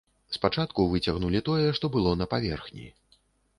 Спачатку выцягнулі тое, што было на паверхні.